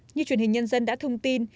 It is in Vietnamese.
như truyền hình nhân dân đã thông tin